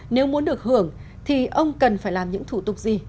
nếu muốn được hưởng thì ông cần phải làm những thủ tục gì